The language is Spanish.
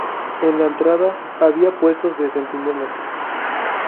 En la entrada había puestos de centinelas.